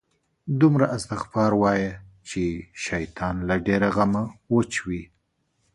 دومره استغفار وایه، چې شیطان له ډېره غمه وچوي